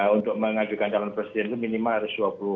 untuk mengajukan calon presiden itu minimal harus